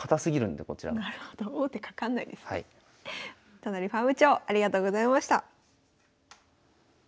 都成ファーム長ありがとうございました。